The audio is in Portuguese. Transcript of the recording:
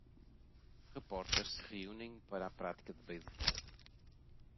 Repórteres se reúnem para a prática de beisebol.